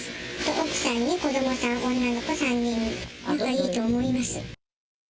奥さんに子どもさん、女の子３人、仲いいと思います。